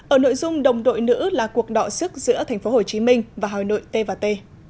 ở nội dung đồng đội nữ là cuộc đọa sức giữa tp hcm và hà nội t và t